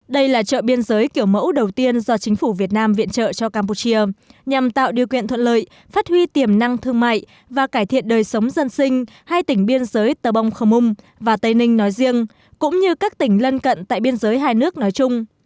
đây là chợ biên giới kiểu mẫu đầu tiên do chính phủ việt nam viện trợ cho campuchia nhằm tạo điều kiện thuận lợi phát huy tiềm năng thương mại và cải thiện đời sống dân sinh hai tỉnh biên giới tờ bông khamung và tây ninh nói riêng cũng như các tỉnh lân cận tại biên giới hai nước nói chung